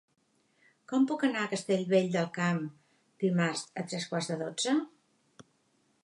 Com puc anar a Castellvell del Camp dimarts a tres quarts de dotze?